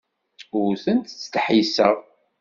Ur tent-ttdeḥḥiseɣ.